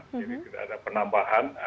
jadi tidak ada penambahan